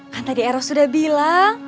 kan tadi eros sudah bilang